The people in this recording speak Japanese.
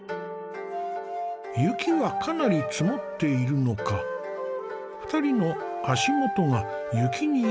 雪はかなり積もっているのか２人の足元が雪に埋まっているね。